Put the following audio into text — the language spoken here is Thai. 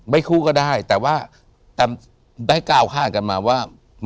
ไม่คู่ก็ได้แต่ว่าได้ก้าวค่ากันมาว่า